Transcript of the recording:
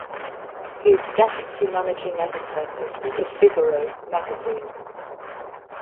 He is Deputy Managing Editor of "Le Figaro Magazine".